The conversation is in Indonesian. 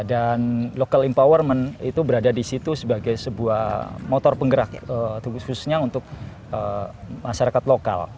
dan local empowerment itu berada di situ sebagai sebuah motor penggerak khususnya untuk masyarakat lokal